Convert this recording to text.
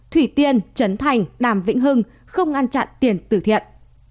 thủy tiên trấn thành đàm vĩnh hưng không ngăn chặn tiền tử thiện